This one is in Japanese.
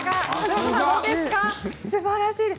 すばらしいです。